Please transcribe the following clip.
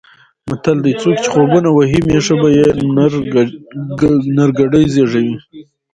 متل دی: څوک چې خوبونه وهي مېښه به یې نر کټي زېږوي.